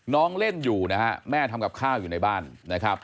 เล่นอยู่นะฮะแม่ทำกับข้าวอยู่ในบ้านนะครับ